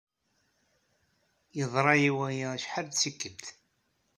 Yeḍra-iyi waya acḥal d tikkelt.